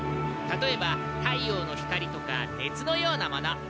たとえば太陽の光とか熱のようなもの。